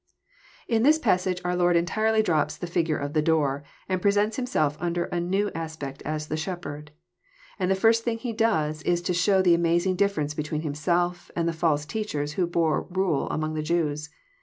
'] In this passage oar Lord entirety drops the figure of '< the door/* and presents Himself under a new as pect, as " the Shepherd." And the first thing He does is to show the amazing difi'erence between Himself and the false teachers who bore rule among the Jews.